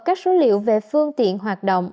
các số liệu về phương tiện hoạt động